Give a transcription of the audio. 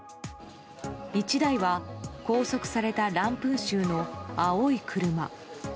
１台は拘束されたランプン州の青い車。